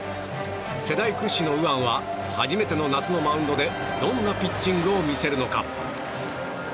世代屈指の右腕は初めての夏のマウンドでどんなピッチングを見せるのか。